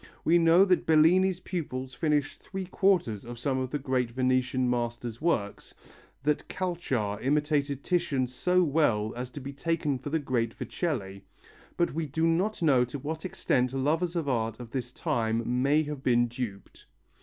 We know that Bellini's pupils finished three quarters of some of the great Venetian master's works, that Calchar imitated Titian so closely as to be taken for the great Vecelli, but we do not know to what extent lovers of art of the time may have been duped.